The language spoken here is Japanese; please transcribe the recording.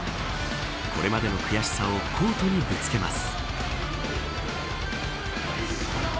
これまでの悔しさをコートにぶつけます。